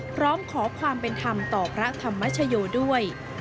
พร้อมขอความเป็นธรรมต่อพระธรรมชโยด้วย